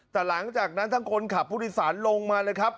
แต่หลังจากนั้นทั้งคนขับผู้โดยสารลงมาเลยครับ